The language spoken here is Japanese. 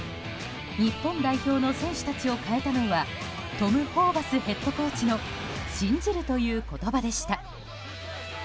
日本代表の選手たちを変えたのはトム・ホーバスヘッドコーチの信じるという言葉でした。